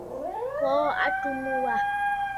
Kɔɔ atu mu wâ.